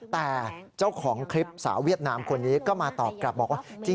แต่เจ้าของคลิปสาวเวียดนามคนนี้ก็มาตอบกลับบอกว่า